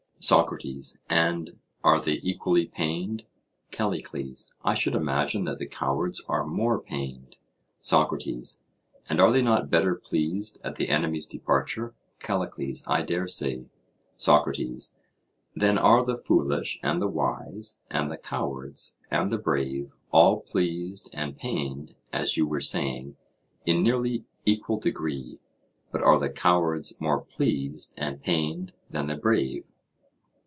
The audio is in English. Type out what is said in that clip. SOCRATES: And are they equally pained? CALLICLES: I should imagine that the cowards are more pained. SOCRATES: And are they not better pleased at the enemy's departure? CALLICLES: I dare say. SOCRATES: Then are the foolish and the wise and the cowards and the brave all pleased and pained, as you were saying, in nearly equal degree; but are the cowards more pleased and pained than the brave?